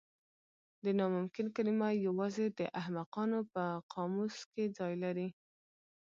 د ناممکن کلمه یوازې د احمقانو په قاموس کې ځای لري.